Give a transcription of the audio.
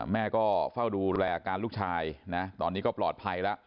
แม่ก็เฝ้าดูแลอาการลูกชายนะตอนนี้ก็ปลอดภัยแล้ว